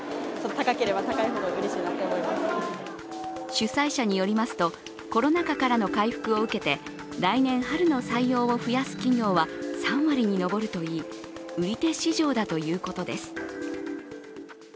主催者によりますと、コロナ禍からの回復を受けて来年春の採用を増やす企業は３割に上るといい、売り手市場だということです。